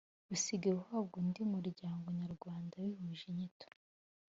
usigaye uhabwa undi muryango nyarwanda bihuje inyito